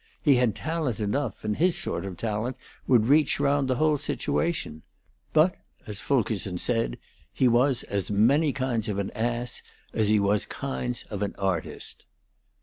He had talent enough, and his sort of talent would reach round the whole situation, but, as Fulkerson said, he was as many kinds of an ass as he was kinds of an artist.